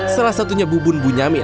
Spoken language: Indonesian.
salah satunya bubun bunyamin